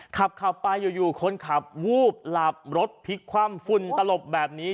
ขับไปอยู่คนขับวูบหลับรถพลิกคว่ำฝุ่นตลบแบบนี้